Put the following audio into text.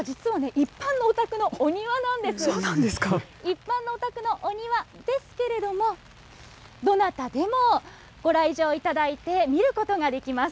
一般のお宅のお庭ですけれども、どなたでもご来場いただいて、見ることができます。